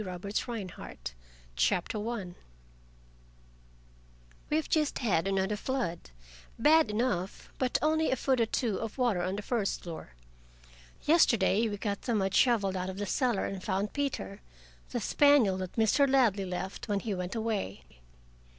LEONE BRACKER 1913 CHAPTER I We have just had another flood, bad enough, but only a foot or two of water on the first floor. Yesterday we got the mud shoveled out of the cellar and found Peter, the spaniel that Mr. Ladley left when he "went away".